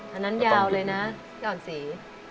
อันนั้นยาวเลยนะพี่อ่อนศรี